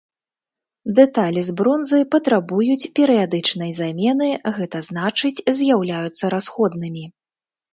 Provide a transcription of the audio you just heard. Дэталі з бронзы патрабуюць перыядычнай замены, гэта значыць з'яўляюцца расходнымі.